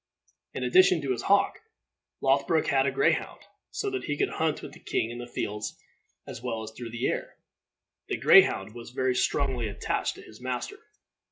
In addition to his hawk, Lothbroc had a greyhound, so that he could hunt with the king in the fields as well as through the air. The greyhound was very strongly attached to his master.